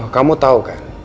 kamu tau kan